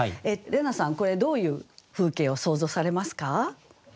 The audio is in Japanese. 怜奈さんこれどういう風景を想像されますか？